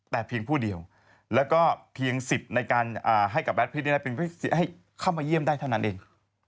แต่เพียงผู้เดียวแล้วก็เพียงสิทธิ์ในการให้กับแดดพิษให้เข้ามาเยี่ยมได้เท่านั้นเอง